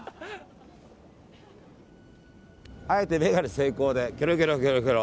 あえて眼鏡成功でキョロキョロ。